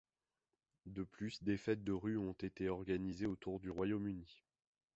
De plus, des fêtes de rue ont été organisées autour du Royaume-Uni.